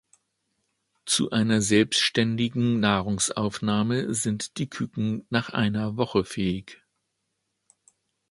Zu einer selbständigen Nahrungsaufnahme sind die Küken nach einer Woche fähig.